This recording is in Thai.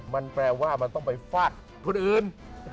มันแปลว่าต้องไปฟัดทุนอื่น